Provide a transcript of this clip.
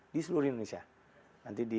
memperlihatkan semua hasil kerajinan dari kota kota